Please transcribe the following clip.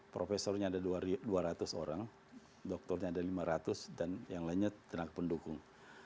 profesornya ada dua ratus orang dokternya ada lima ratus dan yang lainnya tenaga pendukung